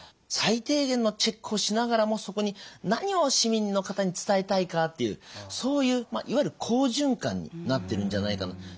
最低限のチェックをしながらもそこに何を市民の方に伝えたいかっていうそういういわゆる好循環になってるんじゃないかな。